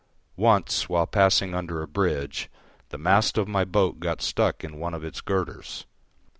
Once, while passing under a bridge, the mast of my boat got stuck in one of its girders.